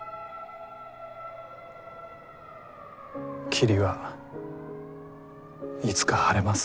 霧はいつか晴れます。